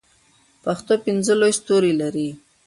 پښتو پنځه لوی ستوري لري.